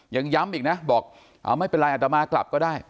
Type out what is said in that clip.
ยังย้ำอีกนะบอกเอาไม่เป็นไรอัตมากลับก็ได้